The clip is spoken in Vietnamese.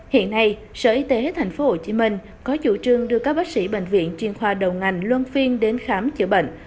hiện nay sở y tế tp hcm có chủ trương đưa các bác sĩ bệnh viện chuyên khoa đầu ngành luân phiên đến khám chữa bệnh